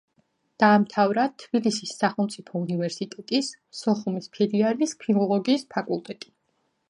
დაამთავრა თბილისის სახელმწიფო უნივერსიტეტის სოხუმის ფილიალის ფილოლოგიის ფაკულტეტი.